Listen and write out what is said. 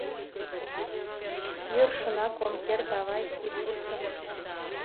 — Йӧршынак ом керт, авай, ит вурсо...